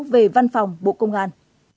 về văn phòng bộ công an